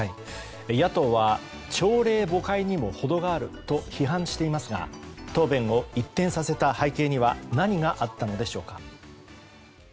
野党は朝令暮改にも程があると批判していますが答弁を一転させた背景には何があったのでしょうか。